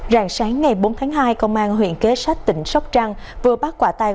ràng sáng ngày bốn tháng hai công an huyện kế sách tỉnh sóc trăng vừa bắt quả tay